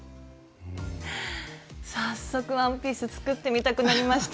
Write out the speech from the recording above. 早速ワンピース作ってみたくなりました。